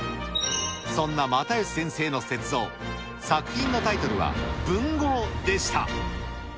そんな又吉先生の雪像、作品のタイトルは、文豪でした。